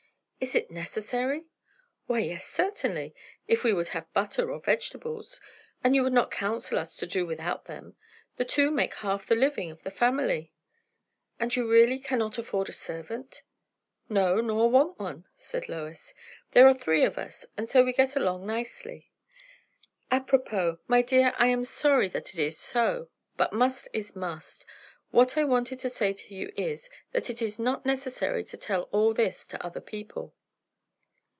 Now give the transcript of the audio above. "Is it necessary?" "Why, yes, certainly, if we would have butter or vegetables; and you would not counsel us to do without them. The two make half the living of the family." "And you really cannot afford a servant?" "No, nor want one," said Lois. "There are three of us, and so we get along nicely." "Apropos; My dear, I am sorry that it is so, but must is must. What I wanted to say to you is, that it is not necessary to tell all this to other people."